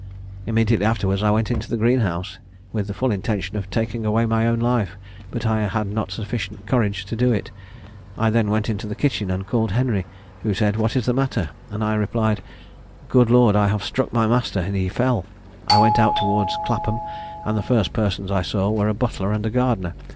"Immediately afterwards I went into the green house, with the full intention of taking away my own life, but I had not sufficient courage to do it. I then went into the kitchen, and called Henry, who said 'What is the matter?' and I replied, 'Good Lord, I have struck my master, and he fell!' I went out towards Clapham, and the first persons I saw were a butler and a gardener.